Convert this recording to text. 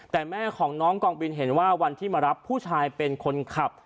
แต่แม่ของน้องกองบินเห็นว่าวันที่มารับผู้ชายเป็นคนขับ